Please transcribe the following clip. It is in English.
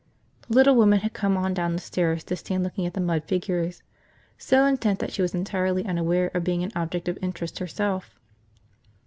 The little woman had come on down the stairs to stand looking at the mud figures, so intent that she was entirely unaware of being an object of interest herself.